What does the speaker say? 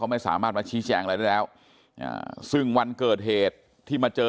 ไม่สามารถมาชี้แจงอะไรได้แล้วซึ่งวันเกิดเหตุที่มาเจอ